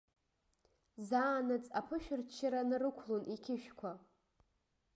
Заанаҵ аԥышәырччара нарықәлон иқьышәқәа.